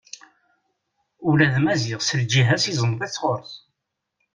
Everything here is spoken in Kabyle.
Ula d Maziɣ s lǧiha-s izmeḍ-itt ɣur-s.